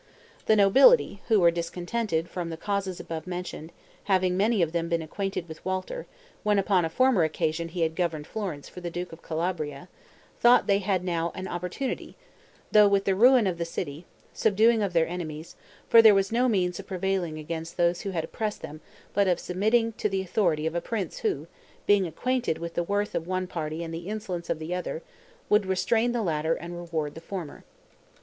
The nobility, who were discontented from the causes above mentioned, having many of them been acquainted with Walter, when upon a former occasion he had governed Florence for the duke of Calabria, thought they had now an opportunity, though with the ruin of the city, of subduing their enemies; for there was no means of prevailing against those who had oppressed them but of submitting to the authority of a prince who, being acquainted with the worth of one party and the insolence of the other, would restrain the latter and reward the former.